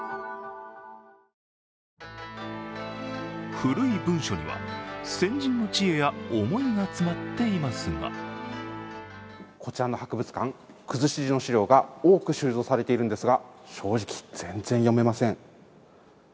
古い文書には、先人の知恵や思いが詰まっていますがこちらの博物館、くずし字の資料が多く収蔵されているのですが正直、全然読めません。